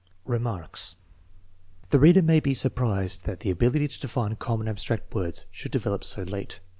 Remarks. The reader may be surprised that the ability to define common abstract words should develop so late.